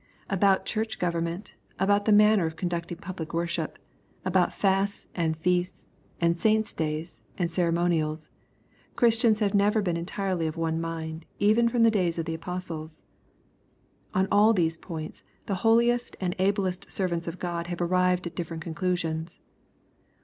About church government, about the manner of conducting public worship, about fasts and feasts, and saint's days, and ceremonials. Christians have never been entirely of one mind, even from the days of the apostles. On all these points the holiest and ablest servants of God have arrived at different conclusions.